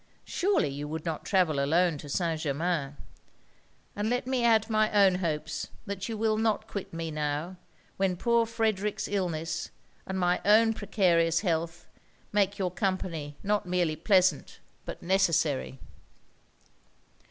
Surely you would not travel alone to St. Germains. And let me add my own hopes that you will not quit me now, when poor Frederic's illness, and my own precarious health, make your company not merely pleasant but necessary.'